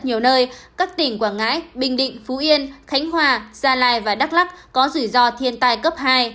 nhiều nơi các tỉnh quảng ngãi bình định phú yên khánh hòa gia lai và đắk lắc có rủi ro thiên tai cấp hai